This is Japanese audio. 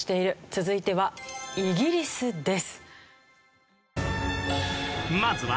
続いてはイギリスです。